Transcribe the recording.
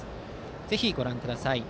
ぜひご覧ください。